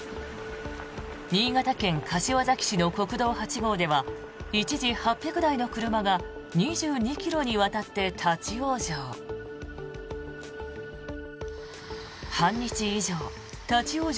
新潟県柏崎市の国道８号では一時、８００台の車が２２ｋｍにわたって立ち往生。